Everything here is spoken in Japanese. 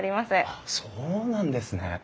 あっそうなんですね。